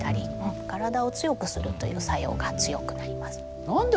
体を強くするという作用が強くなります。